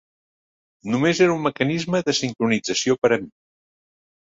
Només era un mecanisme de sincronització per a mi.